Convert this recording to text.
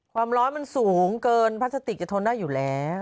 ความร้อนมันสูงเกินพลาสติกจะทนได้อยู่แล้ว